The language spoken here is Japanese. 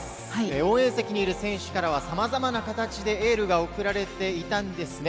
応援席にいる選手からは、さまざまな形でエールが送られていたんですね。